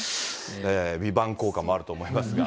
ヴィヴァン効果もあると思いますが。